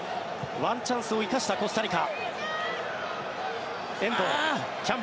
ワンチャンスを生かしたコスタリカ。